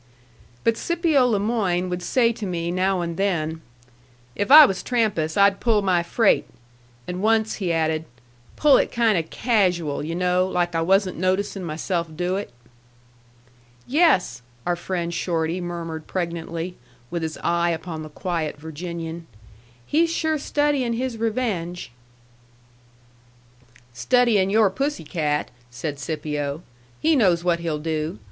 But Scipio le Moyne would say to me now and then, "If I was Trampas, I'd pull my freight." And once he added, "Pull it kind of casual, yu' know, like I wasn't noticing myself do it." "Yes," our friend Shorty murmured pregnantly, with his eye upon the quiet Virginian, "he's sure studying his revenge." "Studying your pussy cat," said Scipio. "He knows what he'll do.